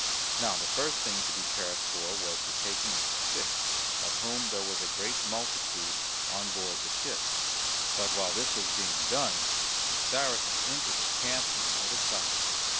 Now the first thing to be cared for was the taking of the sick, of whom there was a great multitude, on board the ships. But while this was being done, the Saracens entered the camp on the other side.